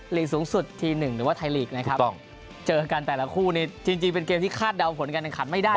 ลีกสูงสุดทีหนึ่งหรือว่าไทยลีกนะครับเจอกันแต่ละคู่นี่จริงเป็นเกมที่คาดเดาผลการแข่งขันไม่ได้